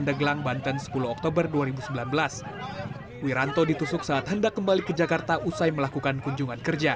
dari enam belas tahun diputus dua belas tahun